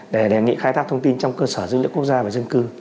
để đề nghị khai thác thông tin trong cơ sở dữ liệu quốc gia về dân cư